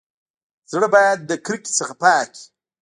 زړه بايد د کرکي څخه پاک وي.